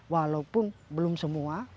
walaupun belum semua